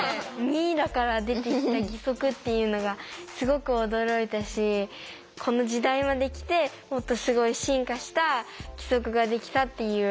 ミイラから出てきた義足っていうのがすごく驚いたしこの時代まで来てもっとすごい進化した義足ができたっていう。